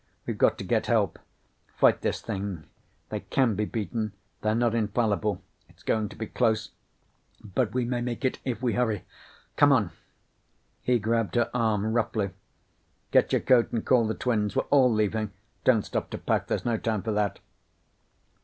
We've got to get help. Fight this thing. They can be beaten. They're not infallible. It's going to be close but we may make it if we hurry. Come on!" He grabbed her arm roughly. "Get your coat and call the twins. We're all leaving. Don't stop to pack. There's no time for that."